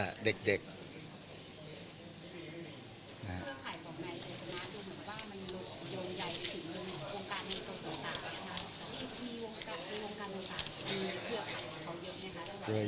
แล้วยังมีโรงการโรงสารที่มีเพื่อค่าอย่างเยอะมั้ยคะ